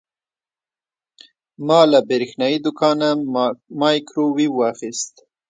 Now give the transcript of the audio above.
ما له برېښنايي دوکانه مایکروویو واخیست.